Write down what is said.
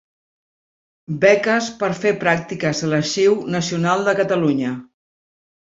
Beques per fer pràctiques a l'Arxiu Nacional de Catalunya.